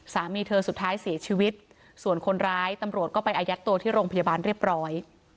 สามีเธอสุดท้ายเสียชีวิตส่วนคนร้ายตำรวจก็ไปอายัดตัวที่โรงพยาบาลเรียบร้อย